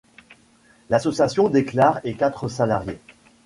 L'association déclare et quatre salariés.